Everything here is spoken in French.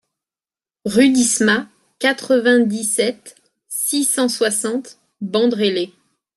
Rue Disma, quatre-vingt-dix-sept, six cent soixante Bandrélé